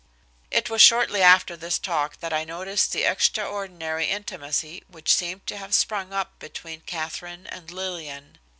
It was shortly after this talk that I noticed the extraordinary intimacy which seemed to have sprung up between Katherine and Lillian.